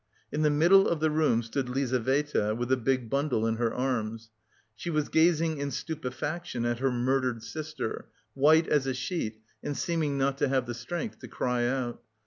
In the middle of the room stood Lizaveta with a big bundle in her arms. She was gazing in stupefaction at her murdered sister, white as a sheet and seeming not to have the strength to cry out.